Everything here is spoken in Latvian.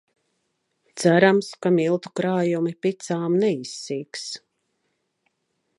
Cerams, ka miltu krājumi picām neizsīks.